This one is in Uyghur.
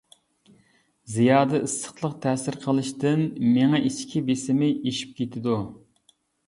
زىيادە ئىسسىقلىق تەسىر قىلىشتىن مېڭە ئىچكى بېسىمى ئېشىپ كېتىدۇ.